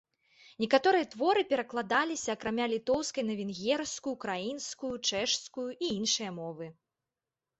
Некаторыя творы перакладаліся, акрамя літоўскае, на венгерскую, украінскую, чэшскую і іншыя мовы.